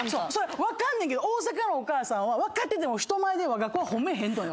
分かんねんけど大阪のお母さんは分かってても人前でわが子を褒めへんのよ。